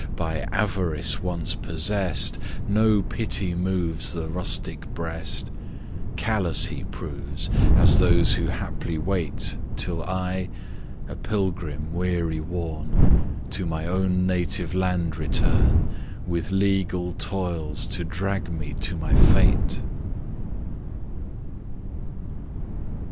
by avarice once possess'd, No pity moves the rustic breast; Callous he proves as those who haply wait Till I (a pilgrim weary worn) To my own native land return, With legal toils to drag me to my fate!